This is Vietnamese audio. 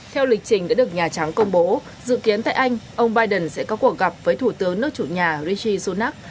theo lịch trình đã được nhà trắng công bố dự kiến tại anh ông biden sẽ có cuộc gặp với thủ tướng nước chủ nhà rishi sunak